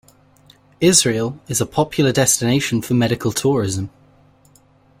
Israel is a popular destination for medical tourism.